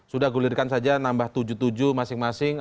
sudah gulirkan saja nambah tujuh puluh tujuh masing masing